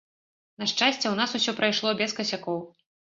На шчасце, у нас усё прайшло без касякоў.